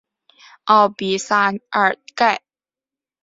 奥比萨尔盖。